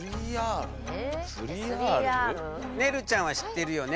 ねるちゃんは知ってるよね。